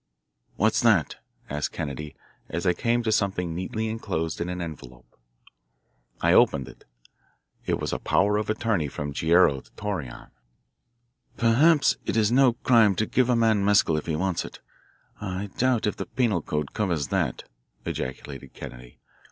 "What's that?" asked Kennedy as I came to something neatly enclosed in an envelope. I opened it. It was a power of attorney from Guerrero to Torreon. "Perhaps it is no crime to give a man mescal if he wants it I doubt if the penal code covers that," ejaculated Kennedy.